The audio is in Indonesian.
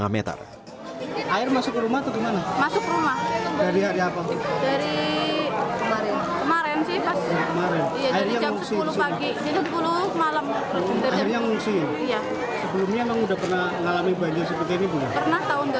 akhirnya mengungsi sebelumnya memang sudah pernah mengalami banjir seperti ini belum